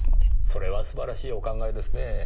それは素晴らしいお考えですねぇ。